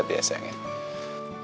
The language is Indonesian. papi juga sekarang harus bangkit dulu